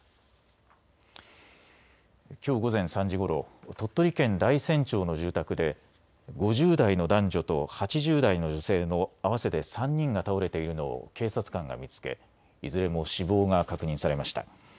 きょう午前３時ごろ、鳥取県大山町の住宅で５０代の男女と８０代の女性の合わせて３人が倒れているのを警察官が見つけいずれも死亡が確認されました。